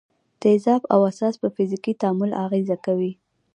تیزاب او اساس په فزیکي تعامل اغېزه کوي.